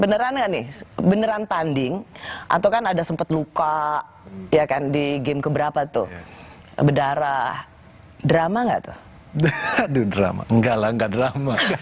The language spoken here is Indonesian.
enggak lah enggak drama